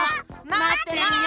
まってるよ！